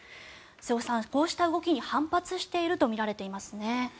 瀬尾さん、こうした動きに反発しているとみられていますよね。